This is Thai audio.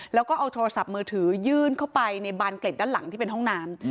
แล้วก็เอาโทรศัพท์มือถือยื่นเข้าไปในบานเกล็ดด้านหลังที่เป็นห้องน้ำ